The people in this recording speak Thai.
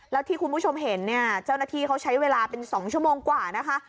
แล้วที่คุณผู้ชมเห็นเนี่ยเจ้าหน้าที่เขาใช้เวลาเป็น๒ชั่วโมงกว่านะคะ